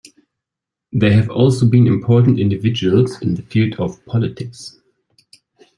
There have also been important individuals in the field of politics.